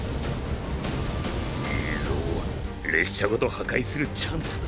いいぞ列車ごと破壊するチャンスだ。